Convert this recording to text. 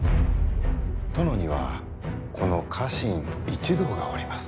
殿にはこの家臣一同がおります。